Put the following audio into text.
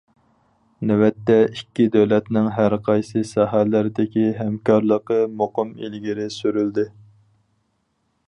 نۆۋەتتە ئىككى دۆلەتنىڭ ھەرقايسى ساھەلەردىكى ھەمكارلىقى مۇقىم ئىلگىرى سۈرۈلدى.